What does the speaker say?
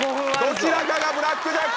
どちらかがブラックジャック。